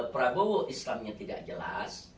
prabowo islamnya tidak jelas